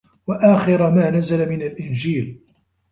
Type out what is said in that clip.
وَآخِرَ مَا نَزَلَ مِنْ الْإِنْجِيلِ